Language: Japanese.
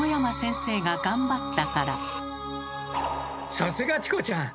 さすがチコちゃん！